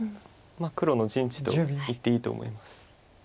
黒の陣地と言っていいと思います。